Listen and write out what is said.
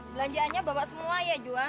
belanjaannya bapak semua ya juan